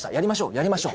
やりましょう。